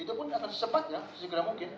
itu pun akan secepatnya sesegera mungkin